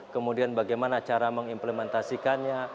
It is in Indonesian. kemudian bagaimana cara mengimplementasikannya